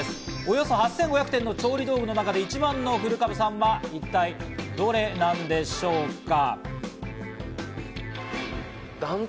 およそ８５００点の調理具の中から一番の古株さんは一体どれなんでしょうか？